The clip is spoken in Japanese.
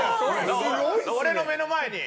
俺の目の前に。